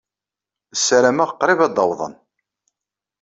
Ssarameɣ qrib ad d-awḍen.